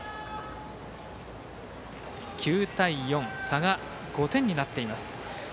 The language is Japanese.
９対４、差が５点になっています。